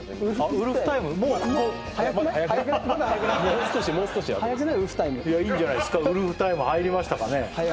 ウルフタイムいいんじゃないですかウルフタイム入りましたかね？